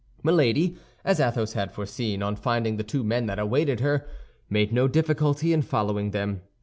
Milady, as Athos had foreseen, on finding the two men that awaited her, made no difficulty in following them.